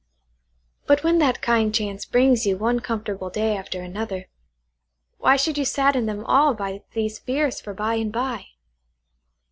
"But when that kind chance brings you one comfortable day after another, why should you sadden them all by these fears for by and by?"